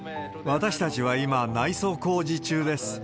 私たちは今、内装工事中です。